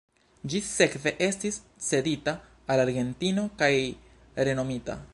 Ĝi sekve estis cedita al Argentino kaj renomita.